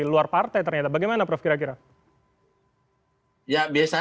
luar partai ternyata bagaimana prof kira kira ya biasa aja kan rumpus saya tadi ya itu kira kira ini